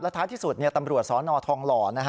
ท้ายที่สุดตำรวจสนทองหล่อ